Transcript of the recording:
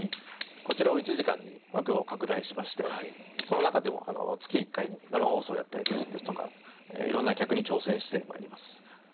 こちらを１時間に枠を拡大しましてその中でも月１回に生放送をやったりですとか色んな企画に挑戦して参ります。